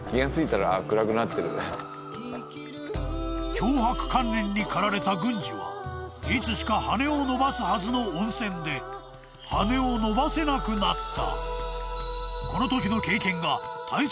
［強迫観念に駆られた郡司はいつしか羽を伸ばすはずの温泉で羽を伸ばせなくなった］